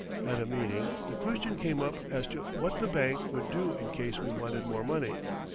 At a meeting, the question came up as to what the bank would do in case we wanted more money.